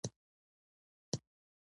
تنور د لرګي دود سره تودېږي